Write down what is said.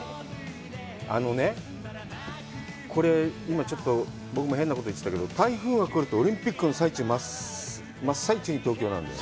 あのね、これ今ちょっと僕も変なこと言ってたけど、台風が来ると、オリンピックの真っ最中に東京なんだよ。